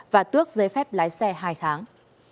và tước giấy phép lái xe hai tháng